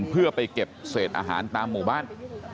เพื่อไปเก็บเศษอาหารตามหมู่บ้าน